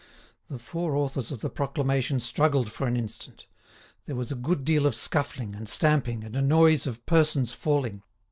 The four authors of the proclamation struggled for an instant. There was a good deal of scuffling and stamping, and a noise of persons falling.